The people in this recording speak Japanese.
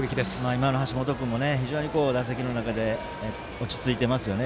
今の橋本君も非常に打席の中で落ち着いていますよね。